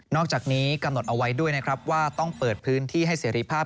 อกจากนี้กำหนดเอาไว้ด้วยนะครับว่าต้องเปิดพื้นที่ให้เสรีภาพ